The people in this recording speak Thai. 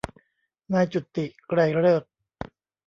นายจุติ ไกรฤกษ์